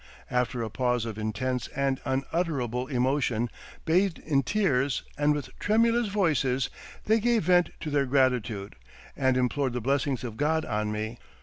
After a pause of intense and unutterable emotion, bathed in tears, and with tremulous voices, they gave vent to their gratitude, and implored the blessings of God on me.